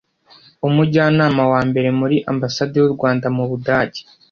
Umujyanama wa Mbere muri Ambasade y’u Rwanda mu Budage